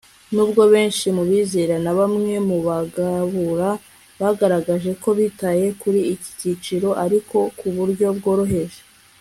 nubwo benshi mu bizera na bamwe mu bagabura bagaragaje ko bitaye kuri icyi cyiciro ariko ku buryo bworoheje